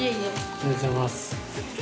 ありがとうございます。